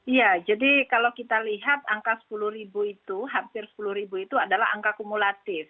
iya jadi kalau kita lihat angka sepuluh ribu itu hampir sepuluh ribu itu adalah angka kumulatif